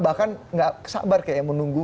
bahkan nggak sabar kayak menunggu